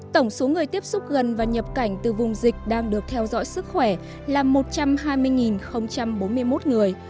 tổng số người tiếp xúc gần và nhập cảnh từ vùng dịch đang được theo dõi sức khỏe là một trăm hai mươi bốn mươi một người